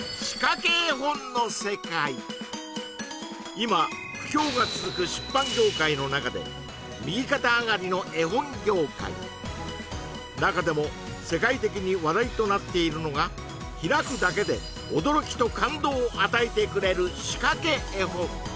今不況が続く出版業界の中で中でも世界的に話題となっているのが開くだけで驚きと感動を与えてくれる仕掛け絵本